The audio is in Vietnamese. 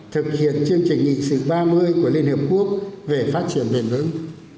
thực hiện chương trình nghị sự ba mươi của liên hợp quốc về phát triển bền vững